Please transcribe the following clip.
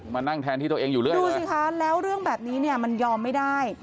มานั่งแทนที่ตัวเองอยู่เรื่อยดูสิคะแล้วเรื่องแบบนี้เนี่ยมันยอมไม่ได้